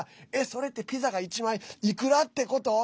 それってピザが１枚いくらってこと？